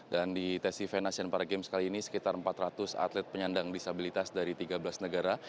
dan di tes event asian para games kali ini sekitar empat ratus atlet penyandang disabilitas dari tiga belas negara